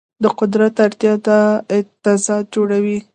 د قدرت اړتیا دا تضاد جوړوي.